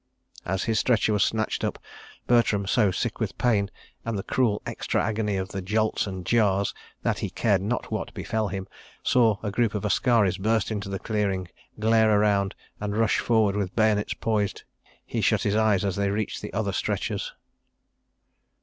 ... As his stretcher was snatched up, Bertram—so sick with pain, and the cruel extra agony of the jolts and jars, that he cared not what befell him—saw a group of askaris burst into the clearing, glare around, and rush forward with bayonets poised. He shut his eyes as they reached the other stretchers.